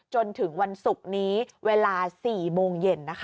จนถึงวันศุกร์นี้เวลา๔โมงเย็นนะคะ